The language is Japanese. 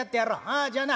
ああじゃあな